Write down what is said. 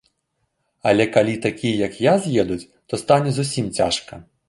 Але калі і такія, як я, з'едуць, то стане зусім цяжка.